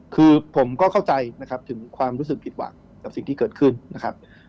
คือผมก็เข้าใจนะครับถึงความรู้สึกผิดหวังกับสิ่งที่เกิดขึ้นนะครับ